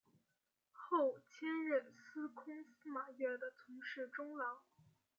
后迁任司空司马越的从事中郎。